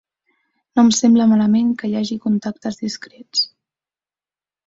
No em sembla malament que hi hagi contactes discrets.